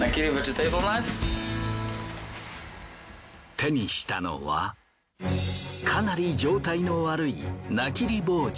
手にしたのはかなり状態の悪い菜切り包丁。